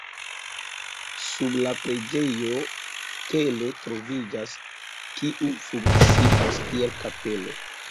Sub la preĝejo kelo troviĝas, kiu funkcias, kiel kapelo.